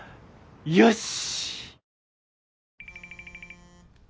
よし！